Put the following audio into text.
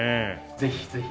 ぜひぜひ。